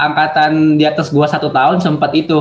angkatan diatas gua satu tahun sempet itu